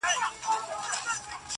• چي اسمان پر تندي څه درته لیکلي -